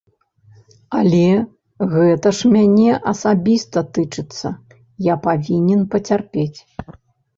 Але гэта ж мяне асабіста тычыцца, я павінен пацярпець.